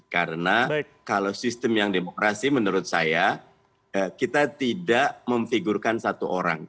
karena kalau sistem yang demokrasi menurut saya kita tidak memfigurkan satu orang